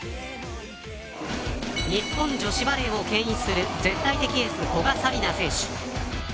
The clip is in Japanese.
日本女子バレーをけん引する絶対的エース古賀紗理那選手。